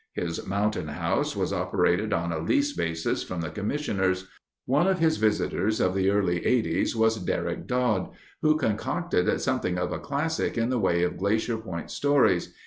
His Mountain House was operated on a lease basis from the commissioners. One of his visitors of the early 'eighties was Derrick Dodd, who concocted something of a classic in the way of Glacier Point stories.